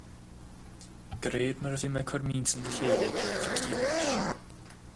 De réir mar a bhí mé ag cur m'intinn le chéile, bhí ciall leis.